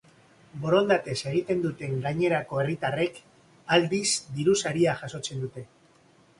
Borondatez egiten duten gainerako herritarrek aldiz diru saria jasotzen dute.